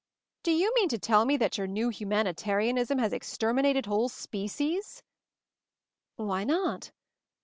"Do you mean to tell me that your new humanitarianism has exterminated whole species?" "Why not?